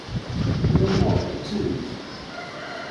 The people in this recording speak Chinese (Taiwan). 巫王志